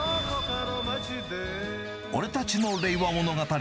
俺たちの令和物語。